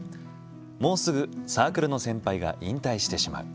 「もうすぐサークルの先輩が引退してしまう。